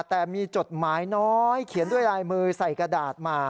แต่มีจดหมายน้อยเขียนด้วยลายมือใส่กระดาษมา